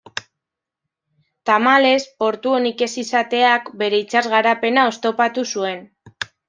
Tamalez, portu onik ez izateak bere itsas-garapena oztopatu zuen.